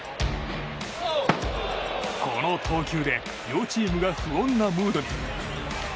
この投球で両チームが不穏なムードに。